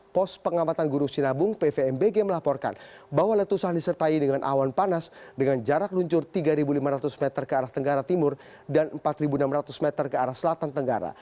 pos pengamatan guru sinabung pvmbg melaporkan bahwa letusan disertai dengan awan panas dengan jarak luncur tiga lima ratus meter ke arah tenggara timur dan empat enam ratus meter ke arah selatan tenggara